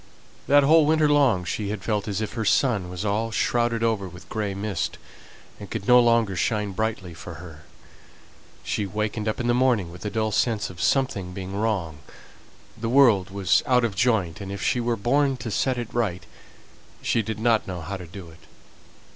That whole winter long she had felt as if her sun was all shrouded over with grey mist, and could no longer shine brightly for her. She wakened up in the morning with a dull sense of something being wrong; the world was out of joint, and, if she were born to set it right, she did not know how to do it.